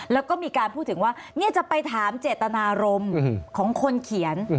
แล้วก็มีการพูดถึงว่าจะไปถามเจตนารมณ์ของคนเขียน